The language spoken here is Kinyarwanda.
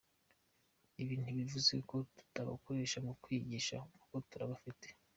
Ibi ntibivuze ko tutabakoresha mu kwigisha kuko turabafite.